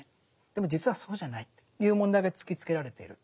でも実はそうじゃないっていう問題が突きつけられている。